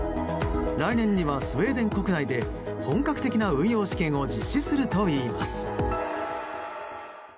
来年にはスウェーデン国内で本格的な運用試験を実施するといいます。